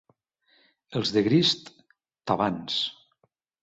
Els de Grist, tavans.